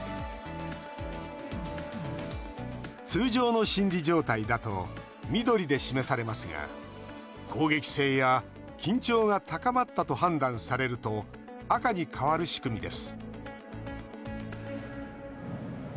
通常の心理状態だと緑で示されますが攻撃性や緊張が高まったと判断されると赤に変わる仕組みです